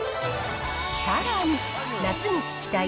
さらに、夏に聴きたい！